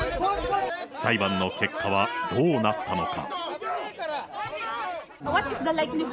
裁判の結果はどうなったのか。